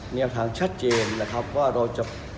มีแนวทางชัดเจนนะครับว่าเราจะ